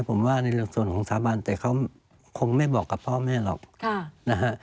ผมว่าในส่วนของสถาบันแต่เขาคงไม่บอกกับพ่อแม่หรอกนะฮะ